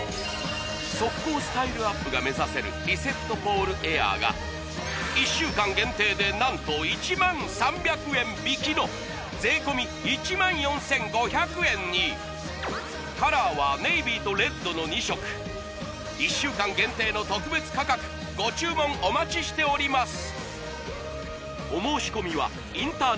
即効スタイルアップが目指せるリセットポールエアーが１週間限定で何と１０３００円引きの税込１４５００円にカラーはネイビーとレッドの２色１週間限定の特別価格ご注文お待ちしております